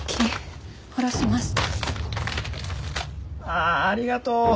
ああありがとう！